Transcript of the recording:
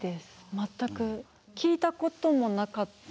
全く聞いたこともなかったです。